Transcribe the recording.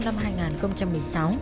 năm tháng năm năm hai nghìn một mươi sáu